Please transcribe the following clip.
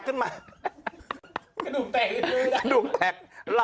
กระดูกแตก